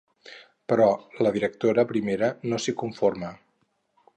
Però la directora primera no s'hi conforma.